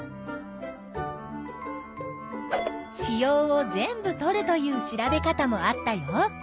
子葉を全部とるという調べ方もあったよ。